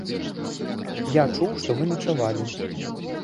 Я чуў, што вы начавалі.